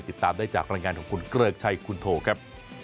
ติดตามได้จากรายงานของคุณเกริกชัยคุณโทครับ